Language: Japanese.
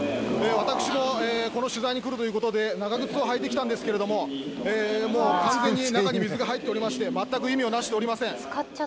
私もこの取材に来るということで長靴を履いてきたんですけれどももう完全に中に水が入っておりまして全く意味をなしておりません